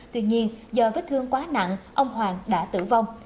tuy nhiên do vết thương quá nặng ông hoàng đã tử vong